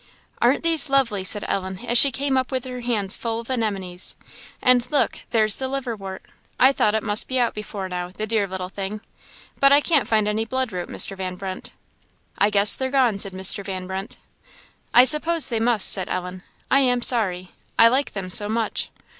"Aren't these lovely?" said Ellen, as she came up with her hands full of anemones "and look there's the liverwort. I thought it must be out before now the dear little thing! but I can't find any blood root, Mr. Van Brunt." "I guess they're gone," said Mr. Van Brunt. "I suppose they must," said Ellen. "I am sorry; I like them so much.